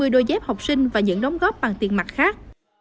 một trăm năm mươi đôi dép học sinh và những đóng góp bằng tiền mặt khác